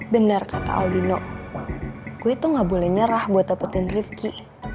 benar kata aldino gue itu gak boleh nyerah buat dapetin rifki